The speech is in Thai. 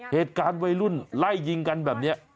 เหตุการณ์วัยรุ่นไล่ยิงกันแบบนี้